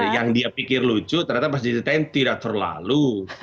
yang dia pikir lucu ternyata pas diceritain tidak terlalu